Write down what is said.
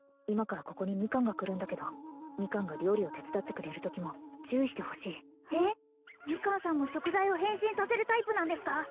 今からここにミカンが来るんだけどミカンが料理を手伝ってくれるときも注意してほしいミカンさんも食材を変身させるタイプなんですか？